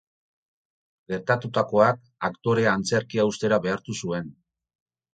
Gertatutakoak aktorea antzerkia uztera behartu zuen.